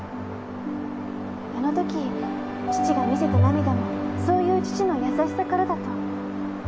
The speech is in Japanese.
あのとき父が見せた涙もそういう父の優しさからだと。